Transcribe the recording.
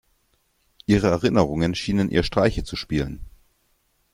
Ihre Erinnerungen schienen ihr Streiche zu spielen.